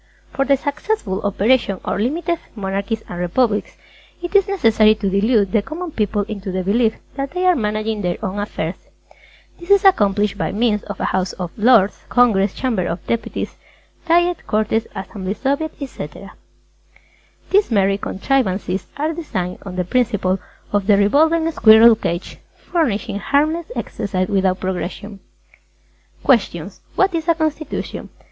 For the successful operation of Limited Monarchies and Republics, it is necessary to delude the Common People into the belief that they are managing their own affairs. This is accomplished by means of a House of Lords, Congress, Chamber of Deputies, Diet, Cortes, Assembly, Soviet, Etc. These merry contrivances are designed on the principle of the revolving squirrel cage, furnishing harmless exercise without progression. QUESTIONS _Q. What is a Constitution?